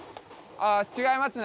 あ違いますね。